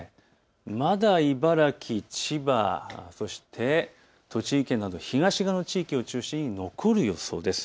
まだ茨城、千葉、そして栃木県など東側の地域を中心に残る予想です。